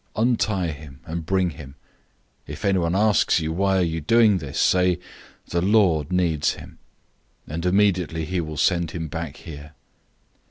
Untie him, and bring him. 011:003 If anyone asks you, 'Why are you doing this?' say, 'The Lord needs him;' and immediately he will send him back here."